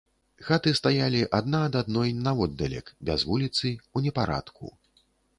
Хаты стаялі адна ад адной наводдалек, без вуліцы, у непарадку.